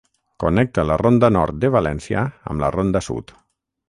Connecta la Ronda Nord de València amb la Ronda Sud.